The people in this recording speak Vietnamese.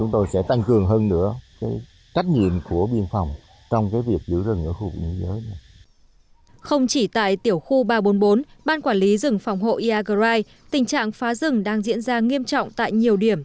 tăng cường tuần tra ngăn chặn không cho tiếp tục là dân phát hiện